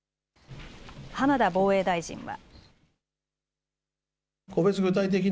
浜田防衛大臣は。